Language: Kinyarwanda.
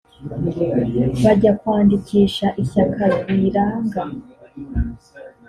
Bajya kwandikisha ishyaka biranga